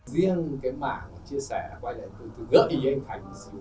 riêng cái mạng chia sẻ quay lại từ gợi ý anh khánh thì nó là mạng ketocell mà anh khánh đã bị cấm đấy nhé